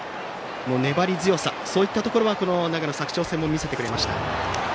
粘り強さといったところは長野・佐久長聖も見せてくれました。